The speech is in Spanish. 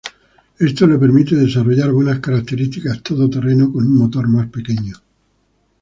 Esto le permite desarrollar buenas características todoterreno con un motor más pequeño.